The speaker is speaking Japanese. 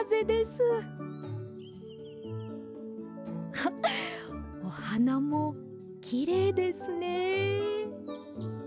あっおはなもきれいですね。